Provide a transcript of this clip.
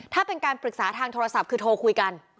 ถ้าเป็นการปรึกษาทางโทรศัพท์คือโทรคุยกัน